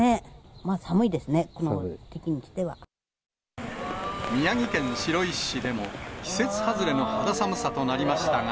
まあ、寒いですね、この時期にし宮城県白石市でも、季節外れの肌寒さとなりましたが。